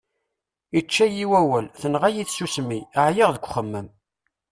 Ičča-yi wawal, tenɣa-yi tsusmi, εyiɣ deg uxemmem.